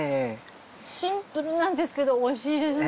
シンプルなんですけどおいしいですね。